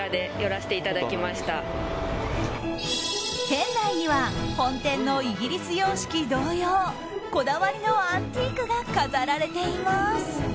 店内には本店のイギリス様式同様こだわりのアンティークが飾られています。